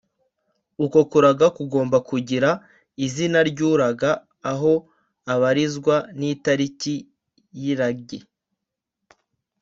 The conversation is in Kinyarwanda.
uko kuraga kugomba kugira izina ry’uraga aho abarizwa n’itariki y’irage